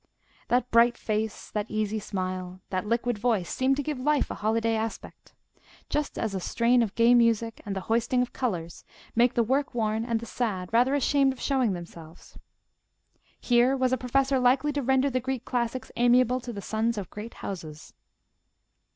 That bright face, that easy smile, that liquid voice, seemed to give life a holiday aspect; just as a strain of gay music and the hoisting of colours make the work worn and the sad rather ashamed of showing themselves. Here was a professor likely to render the Greek classics amiable to the sons of great houses.